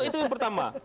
itu yang pertama